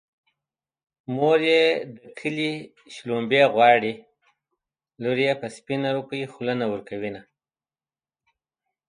مور يې د کلي شومړې غواړي لور يې په سپينه روپۍ خوله نه ورکوينه